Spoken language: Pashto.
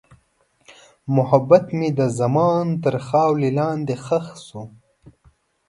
محبت مې د زمان تر خاورې لاندې ښخ شو.